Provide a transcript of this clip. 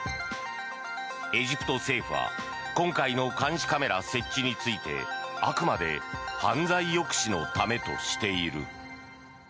エジプト政府は今回の監視カメラ設置についてあくまで犯罪抑止のためとしている。